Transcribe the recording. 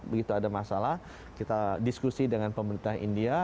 begitu ada masalah kita diskusi dengan pemerintah india